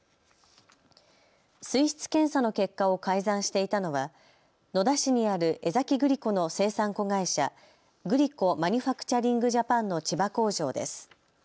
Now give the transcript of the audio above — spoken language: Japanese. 水質検査の結果を改ざんしていたのは野田市にある江崎グリコの生産子会社、グリコマニュファクチャリングジャパンの千葉工場です。